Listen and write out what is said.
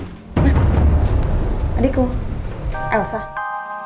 nah adikku aku sesuai